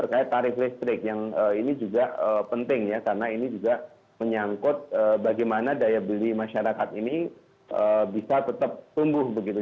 terkait tarif listrik yang ini juga penting ya karena ini juga menyangkut bagaimana daya beli masyarakat ini bisa tetap tumbuh begitu